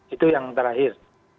itu yang terakhir